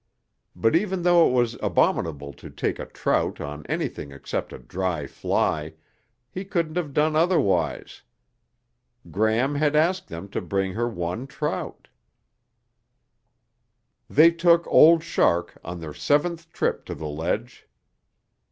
But even though it was abominable to take a trout on anything except a dry fly, he couldn't have done otherwise. Gram had asked them to bring her one trout. They took old shark on their seventh trip to the ledge.